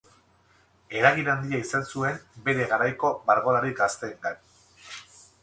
Eragin handia izan zuen bere garaiko margolari gazteengan.